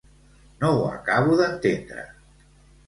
No ho acabo d'entendre.